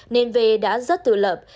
nên vê đã rất tự lập